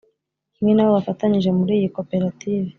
Kimwe n’abo bafatanyije muri iyi koperative